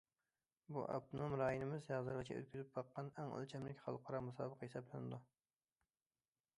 بۇ، ئاپتونوم رايونىمىز ھازىرغىچە ئۆتكۈزۈپ باققان ئەڭ ئۆلچەملىك خەلقئارا مۇسابىقە ھېسابلىنىدۇ.